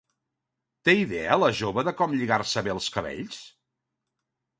Té idea la jove de com lligar-se bé els cabells?